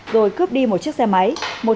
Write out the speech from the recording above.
rồi cướp đi một chiếc xe máy